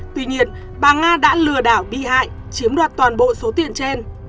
tuy nhiên bà nga đã lừa đảo bị hại chiếm đoạt toàn bộ số tiền trên